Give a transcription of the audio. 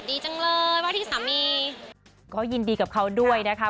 ดีจังเลยว่าที่สามีก็ยินดีกับเขาด้วยนะคะ